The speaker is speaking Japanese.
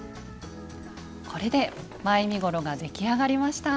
これで前身ごろが出来上がりました。